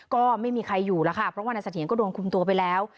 ก็ไม่มีใครอยู่แล้วค่ะเพราะว่านายเสถียรก็โดนคุมตัวไปแล้ว